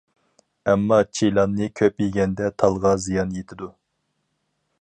ئەمما چىلاننى كۆپ يېگەندە تالغا زىيان يېتىدۇ.